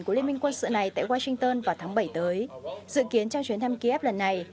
của liên minh quân sự này tại washington vào tháng bảy tới dự kiến trong chuyến thăm kiev lần này